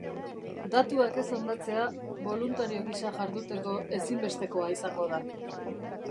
Datuak ez hondatzea boluntario gisa jarduteko ezinbestekoa izango da.